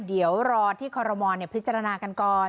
เดี๋ยวรอที่คอรมอลพิจารณากันก่อน